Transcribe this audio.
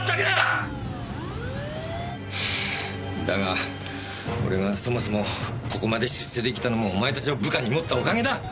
はぁだが俺がそもそもここまで出世できたのもお前たちを部下に持ったおかげだ！